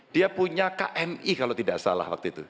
dia punya kmi kalau tidak salah waktu itu